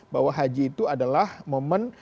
bahwa haji itu adalah momen